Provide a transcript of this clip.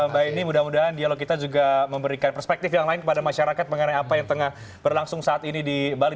mbak ini mudah mudahan dialog kita juga memberikan perspektif yang lain kepada masyarakat mengenai apa yang tengah berlangsung saat ini di bali